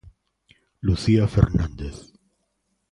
Lucía Fernández.